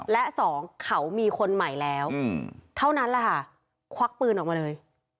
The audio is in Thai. และสองเขามีคนใหม่แล้วเท่านั้นแหละค่ะควักปืนออกมาเลย